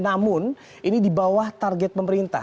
namun ini di bawah target pemerintah